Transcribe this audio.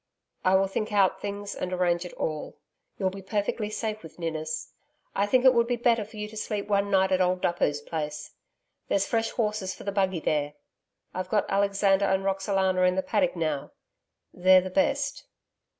'I will think out things and arrange it all. You'll be perfectly safe with Ninnis, I think it would be better for you to sleep one night at old Duppo's place. There's fresh horses for the buggy there I've got Alexander and Roxalana in the paddock now they're the best....'